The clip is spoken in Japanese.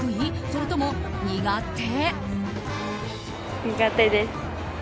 それとも苦手？